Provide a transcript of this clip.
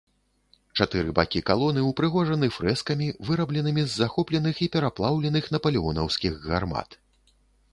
Чатыры бакі калоны ўпрыгожаны фрэскамі, вырабленымі з захопленых і пераплаўленых напалеонаўскіх гармат.